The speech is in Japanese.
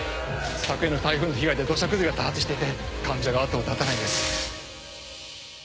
「昨夜の台風の被害で土砂崩れが多発していて患者が後を絶たないんです」